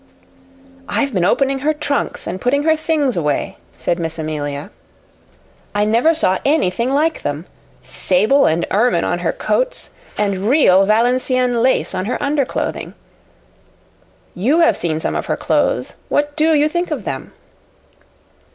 "I've been opening her trunks and putting her things away," said Miss Amelia. "I never saw anything like them sable and ermine on her coats, and real Valenciennes lace on her underclothing. You have seen some of her clothes. What DO you think of them?"